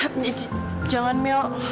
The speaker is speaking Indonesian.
pak jangan mio